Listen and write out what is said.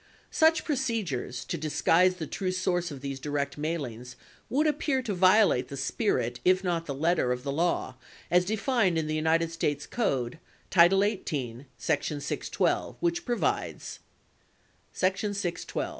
59 Such procedures to disguise the true source of these direct mailings would appear to violate the spirit, if not the letter, of the law as defined in the United States Code, title 18, section 612, which provides :§ 612.